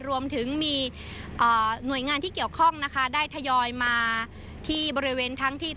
รวมถึงมีหน่วยงานที่เกี่ยวข้องนะคะได้ทยอยมาที่บริเวณทั้งที่